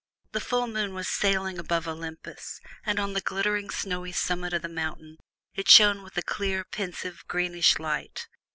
The full moon was sailing above Olympus, and on the glittering, snowy summit of the mountain it shone with a clear, pensive, greenish light.